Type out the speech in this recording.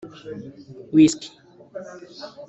wisky